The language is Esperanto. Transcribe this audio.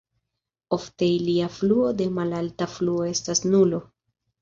Ofte ilia fluo de malalta fluo estas nulo.